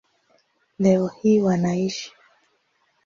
Leo hii wanaishi